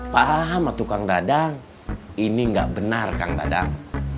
pak ahamah tukang dadang ini gak benar kang dadang